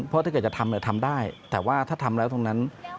เพราะถ้าเกิดจะทำทำได้แต่ว่าถ้าทำแล้วตรงนั้น